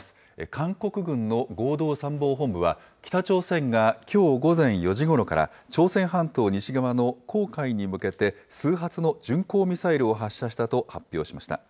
韓国軍の合同参謀本部は、北朝鮮がきょう午前４時ごろから、朝鮮半島西側の黄海に向けて、数発の巡航ミサイルを発射したと発表しました。